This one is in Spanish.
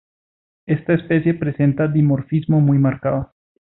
Esta especie presenta dimorfismo muy marcado.